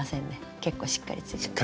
結構しっかりついてます。